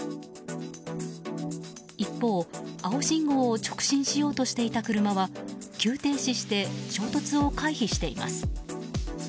一方、青信号を直進しようとしていた車は急停止して衝突を回避しています。